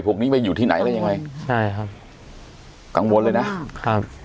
พวกนี้ไปอยู่ที่ไหนอะไรยังไงใช่ครับกังวลเลยนะครับครับ